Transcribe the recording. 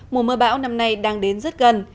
mùa mưa bão năm nay đang đến rất gần